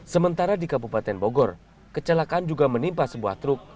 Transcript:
sementara di kabupaten bogor kecelakaan juga menimpa sebuah truk